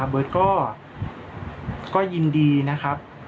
เบิร์ตก็ยินดีนะครับ